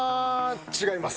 違います。